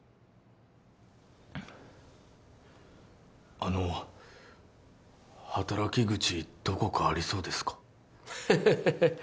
あの働き口どこかありそうですか？